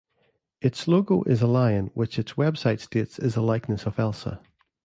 Its logo is a lion, which its website states is a likeness of Elsa.